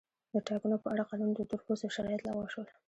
د ټاکنو په اړه قانون د تور پوستو شرایط لغوه شول.